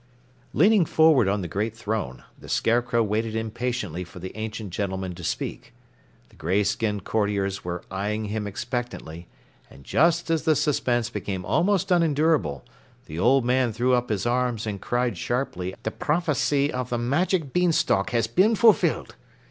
Leaning forward on the great throne, the Scarecrow waited impatiently for the ancient gentleman to speak. The gray skinned courtiers were eyeing him expectantly, and just as the suspense became almost unendurable, the old man threw up his arms and cried sharply: "The prophecy of the magic beanstalk has been fulfilled.